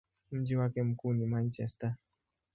Mji wake mkuu ni Manchester.